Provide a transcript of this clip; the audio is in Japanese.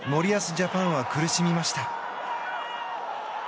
ジャパンは苦しみました。